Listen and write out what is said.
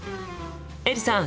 エリさん！